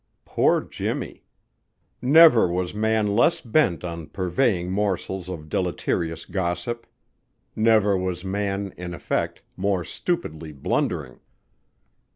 Poor Jimmy! Never was man less bent on purveying morsels of deleterious gossip. Never was man, in effect, more stupidly blundering.